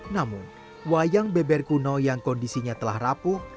namun wayang beber kuno yang kondisinya telah rapuh